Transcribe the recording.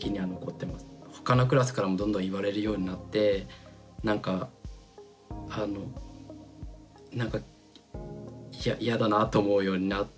他のクラスからもどんどん言われるようになってなんかあのなんか嫌だなと思うようにな。